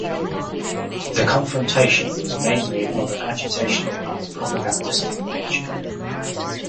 The confrontation was mainly of an agitational and propagandistic nature.